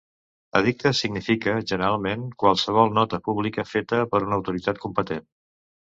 Edicte significa, generalment, qualsevol nota pública feta per una autoritat competent.